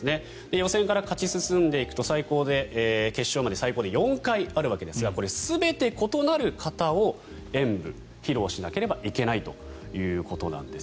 予選から勝ち進んでいくと決勝まで最高で４回ありますが全て異なる形を演武、披露しなければいけないということなんです。